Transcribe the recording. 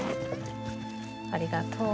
ありがとう。